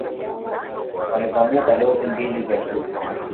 Walivamia balozi mbili za kidiplomasia